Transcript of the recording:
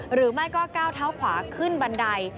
หรือไม่ก็ก้าวเท้าขวาขึ้นบันได